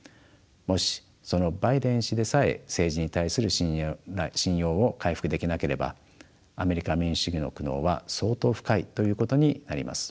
もしそのバイデン氏でさえ政治に対する信用を回復できなければアメリカ民主主義の苦悩は相当深いということになります。